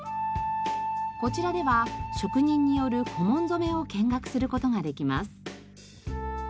こちらでは職人による小紋染めを見学する事ができます。